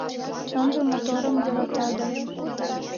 Чонжо моторым йӧрата да